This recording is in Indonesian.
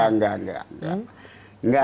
enggak enggak enggak